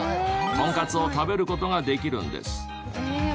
とんかつを食べる事ができるんです。